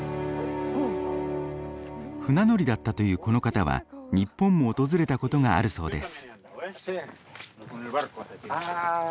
船乗りだったというこの方は日本も訪れたことがあるそうです。